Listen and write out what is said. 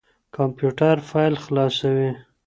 کمپيوټر فايل خلاصوي.